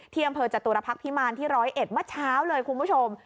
อำเภอจตุรพักษ์พิมารที่๑๐๑เมื่อเช้าเลยคุณผู้ชม